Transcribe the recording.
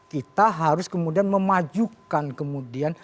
kita harus kemudian memajukan kemudian